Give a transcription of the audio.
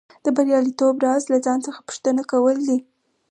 د بریالیتوب راز له ځان څخه پوښتنه کول دي